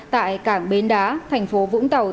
tại cảng bến đá thành phố vũng tàu